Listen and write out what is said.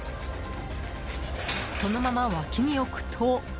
そのまま脇に置くと。